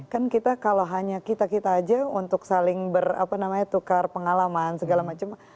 kan kita kalau hanya kita kita aja untuk saling berapa namanya tukar pengalaman segala macam